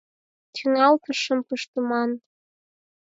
Тÿҥалтышым пыштыман –